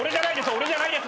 俺じゃないです。